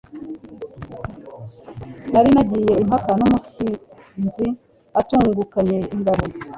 Nari nagiye impaka n'umukinzi utungukanye ingabo